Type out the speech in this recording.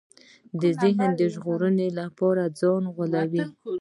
ذهن د ژغورنې لپاره ځان غولوي.